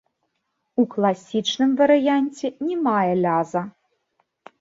У класічным варыянце не мае ляза.